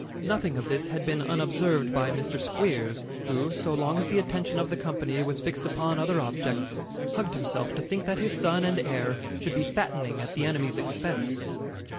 Nothing of this had been unobserved by Mr. Squeers, who, so long as the attention of the company was fixed upon other objects, hugged himself to think that his son and heir should be fattening at the enemy's expense.